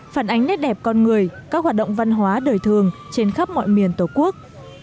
phản ánh nét đẹp con người các hoạt động văn hóa đời thường trên khắp mọi miền tổ quốc